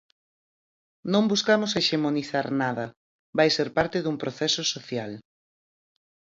Non buscamos hexemonizar nada, vai ser parte dun proceso social.